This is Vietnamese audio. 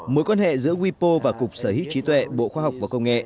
mối quan hệ giữa wipo và cục sở hữu trí tuệ bộ khoa học và công nghệ